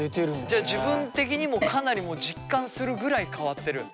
じゃあ自分的にもかなりもう実感するぐらい変わってる？